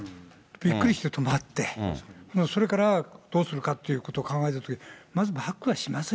びっくりして止まって、それからどうするかってことを考えたとき、まずバックはしませんよ。